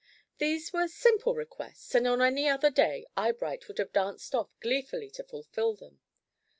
These were simple requests, and on any other day Eyebright would have danced off gleefully to fulfil them.